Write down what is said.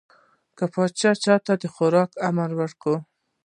که به پاچا چا ته د خوراک امر وکړ.